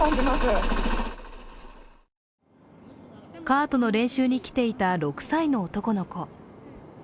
カートの練習に来ていた６歳の男の子。